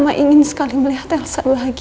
mama ingin sekali melihat elsa bahagia